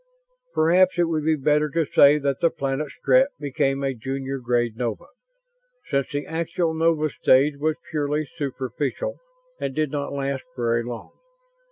Perhaps it would be better to say that the planet Strett became a junior grade nova, since the actual nova stage was purely superficial and did not last very long.